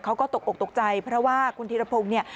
เขาก็ตกอกตกใจเพราะว่าคุณธีรพงศ์เนี่ย